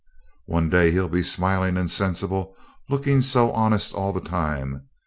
One day he'll be smiling and sensible, looking so honest all the time.